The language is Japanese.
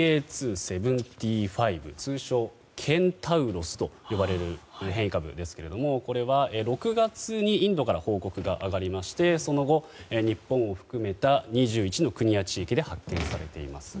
通称ケンタウロスと呼ばれる変異株ですけれどもこれは６月にインドから報告が上がりましてその後、日本を含めた２１の国や地域で発見されています。